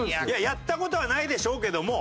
やった事はないでしょうけども。